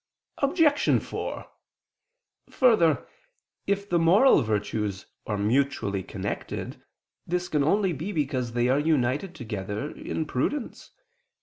Obj. 4: Further, if the moral virtues are mutually connected, this can only be because they are united together in prudence.